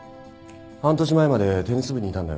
半年前までテニス部にいたんだよね。